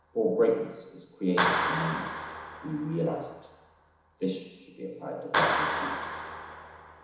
All greatness is creative the moment we realise it." This should be applied to Wagner's art.